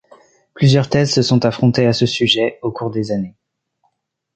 Plusieurs thèses se sont affrontées à ce sujet au cours des années.